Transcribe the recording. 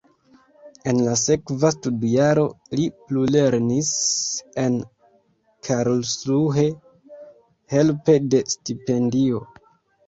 En la sekva studjaro li plulernis en Karlsruhe helpe de stipendio.